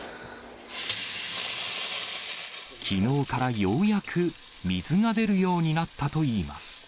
きのうからようやく水が出るようになったといいます。